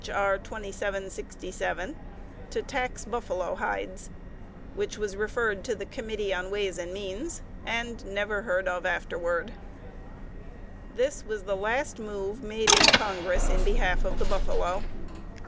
R. 2767) to tax buffalo hides; which was referred to the Committee on Ways and Means, and never heard of afterward. This was the last move made in Congress in behalf of the buffalo.